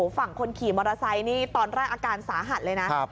ฝั่งคนขี่มอเตอร์ไซค์นี่ตอนแรกอาการสาหัสเลยนะ